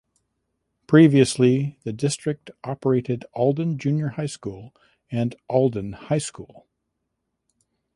Previously the district operated Alden Junior High School and Alden High School.